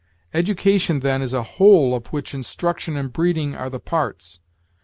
Education, then, is a whole of which Instruction and Breeding are the parts.